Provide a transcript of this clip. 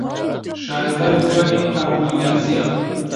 شارەزای بواری ئابوورناسییە.